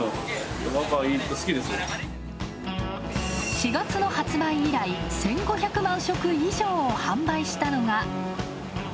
４月の発売以来、１５００万食以上を販売したのが。